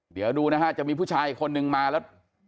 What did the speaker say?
เดี๋ยวดูนะฮะจะมีผู้ชายอีกคนนึงมาแล้ว